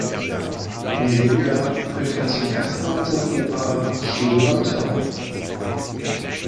Im selben Jahr führte er zum ersten Mal seine Oper „Keolanthe“ auf.